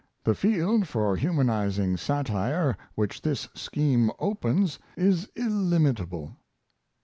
The field for humanizing satire which this scheme opens is illimitable.